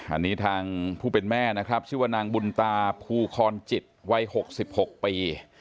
อันนี้ทางผู้เป็นแม่นะครับชื่อว่านางบุญตาภูคอนจิตวัย๖๖ปี